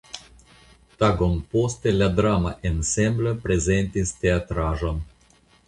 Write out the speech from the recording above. Tagon poste la drama ensemblo prezentis teatraĵon.